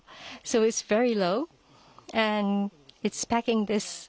そうですね。